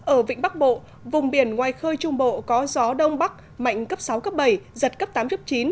ở vịnh bắc bộ vùng biển ngoài khơi trung bộ có gió đông bắc mạnh cấp sáu cấp bảy giật cấp tám cấp chín